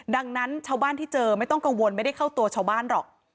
ดังนั้นชาวบ้านที่เจอไม่ต้องกังวลไม่ได้เข้าตัวชาวบ้านหรอก